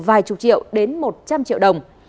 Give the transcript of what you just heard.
vài chục triệu đến một trăm linh triệu đồng